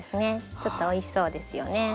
ちょっとおいしそうですよね。